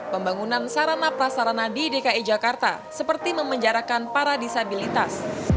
pembangunan sarana prasarana di dki jakarta seperti memenjarakan para disabilitas